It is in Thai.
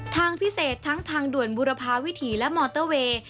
ทางพิเศษทั้งทางด่วนบุรพาวิถีและมอเตอร์เวย์